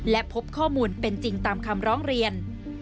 และพบข้อมูลเป็นจริงตามคำร้องเรียน